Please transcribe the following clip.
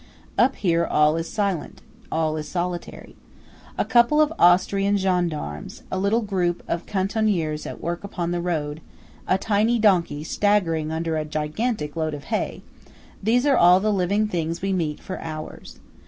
Up here all is silent, all is solitary. A couple of Austrian gendarmes–a little group of cantonniers at work upon the road–a tiny donkey staggering under a gigantic load of hay; these are all the living things we meet for hours.